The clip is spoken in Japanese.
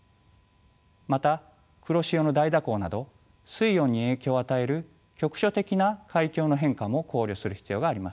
また黒潮の大蛇行など水温に影響を与える局所的な海況の変化も考慮する必要があります。